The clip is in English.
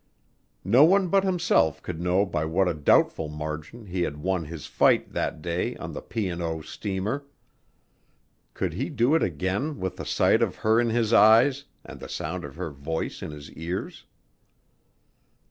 No one but himself could know by what a doubtful margin he had won his fight that day on the P. and O. steamer. Could he do it again with the sight of her in his eyes and the sound of her voice in his ears?